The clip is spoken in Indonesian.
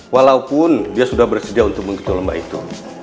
walaupun dia sudah bersedia untuk mengikuti lomba itu